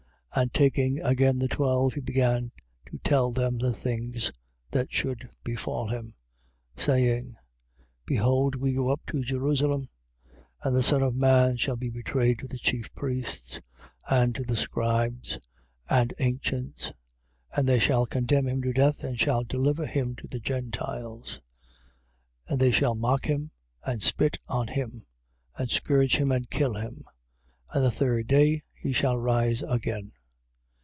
And taking again the twelve, he began to tell them the things that should befall him. 10:33. Saying: Behold we go up to Jerusalem, and the Son of man shall be betrayed to the chief priests and to the scribes and ancients. And they shall condemn him to death and shall deliver him to the Gentiles. 10:34. And they shall mock him and spit on him and scourge him and kill him: and the third day he shall rise again.